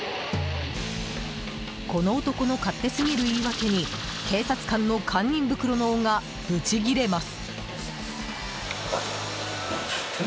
この男の勝手すぎる言い訳に警察官の堪忍袋の緒がぶち切れます。